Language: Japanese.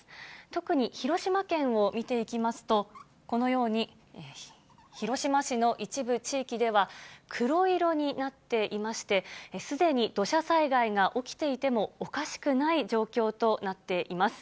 特に広島県を見ていきますと、このように、広島市の一部地域では、黒色になっていまして、すでに土砂災害が起きていてもおかしくない状況となっています。